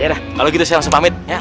ya udah kalau gitu saya langsung pamit ya